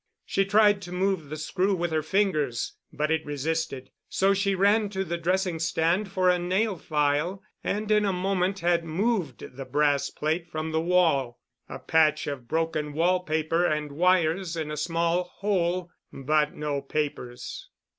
She tried to move the screw with her fingers but it resisted, so she ran to the dressing stand for a nail file and in a moment had moved the brass plate from the wall. A patch of broken wall paper and wires in a small hole—but no papers.